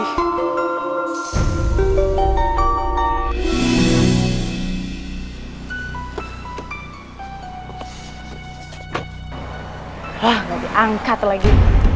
wah gak diangkat lagi